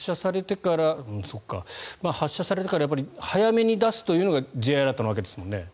発射されてから早めに出すというのがＪアラートなわけですもんね。